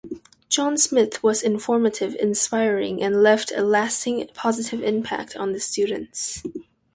John Smith was informative, inspiring and left a lasting positive impact on the students.